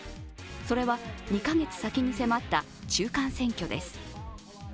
それは２カ月先に迫った中間選挙です。